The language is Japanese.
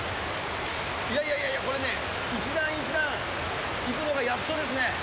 いやいやいや、これね、一段一段、行くのがやっとですね。